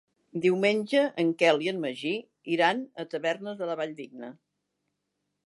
Diumenge en Quel i en Magí iran a Tavernes de la Valldigna.